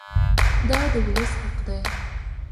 دا د ولس حق دی.